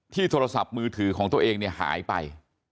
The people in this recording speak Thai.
ที่โทรศัพท์มือถือของตัวเองหายไป